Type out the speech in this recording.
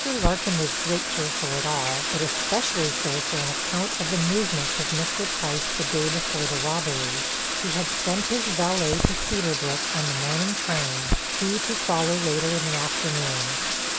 Larkin was grateful for it all, but especially so for an account of the movements of Mr. Price the day before the robbery. He had sent his valet to Cedar Brook on the morning train, he to follow later in the afternoon.